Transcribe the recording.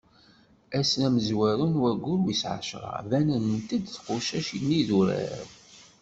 Ass amezwaru n waggur wis ɛecṛa, banent-d tqucac n idurar.